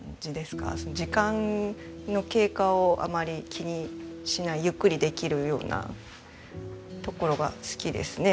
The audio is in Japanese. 時間の経過をあまり気にしないゆっくりできるようなところが好きですね。